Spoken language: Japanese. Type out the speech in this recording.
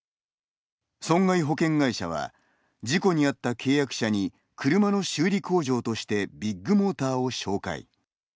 損害保険会社は事故に遭った契約者に車の修理工場としてビッグモーターを紹介。